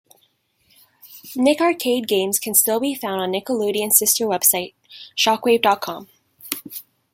Nick Arcade games can still be found on Nickelodeon's sister website, Shockwave dot com.